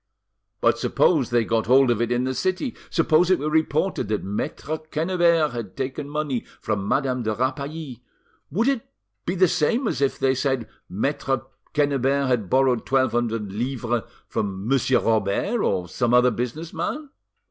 "But suppose they got hold of it in the city, suppose it were reported that Maitre Quennebert had taken money from Madame de Rapally, would it be the same as if they said Maitre Quennebert had borrowed twelve hundred livres from Monsieur Robert or some other business man?"